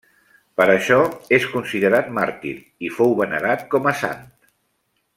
Per això és considerat màrtir i fou venerat com a sant.